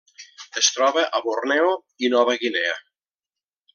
Es troba a Borneo i Nova Guinea.